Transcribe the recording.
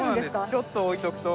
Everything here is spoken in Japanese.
ちょっと置いておくと。